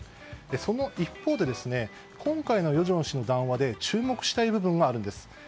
その一方で今回の与正氏の談話で注目したい部分があるんです。